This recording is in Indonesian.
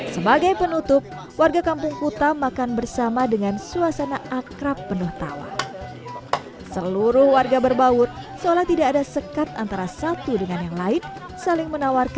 sebagai penutup warga kampung kuta makan bersama dengan suasana akrab penuh tawa